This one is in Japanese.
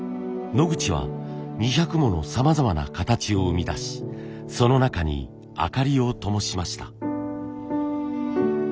ノグチは２００ものさまざまな形を生み出しその中に明かりをともしました。